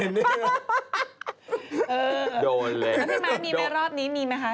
อันนี้แม่รอบนี้มีไหมคะ